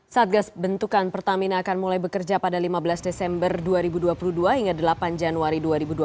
satgas bentukan pertamina akan mulai bekerja pada lima belas desember dua ribu dua puluh dua hingga delapan januari dua ribu dua puluh